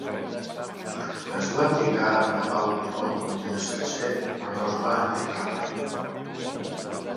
Es va trigar a gravar el pilot un dia sencer, però no es va emetre mai.